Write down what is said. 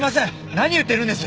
何言ってるんです。